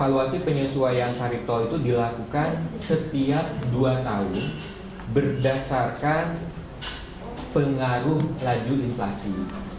evaluasi penyesuaian tarif tol itu dilakukan setiap dua tahun berdasarkan pengaruh laju inflasi